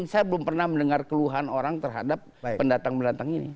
saya belum pernah mendengar keluhan orang terhadap pendatang pendatang ini